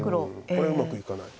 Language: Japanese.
これはうまくいかない。